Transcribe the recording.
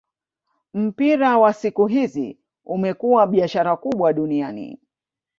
Mpira wa siku hizi umekuwa biashara kubwa duniani